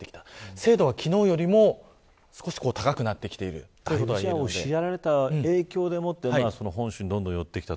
精度は昨日よりも少し高くなってきている本州にどんどん寄ってきた。